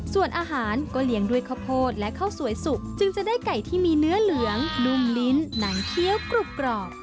ส่วนอาหารก็เลี้ยงด้วยข้าวโพดและข้าวสวยสุกจึงจะได้ไก่ที่มีเนื้อเหลืองนุ่มลิ้นหนังเคี้ยวกรุบกรอบ